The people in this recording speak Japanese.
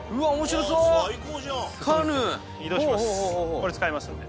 これ使いますんで。